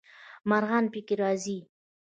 مرغان پکې راځي.